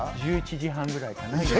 １１時半ぐらいかな。